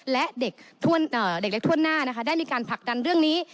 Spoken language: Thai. และเด็กเล็กถ้วนหน้านะคะได้มีการผลักดันเรื่องนี้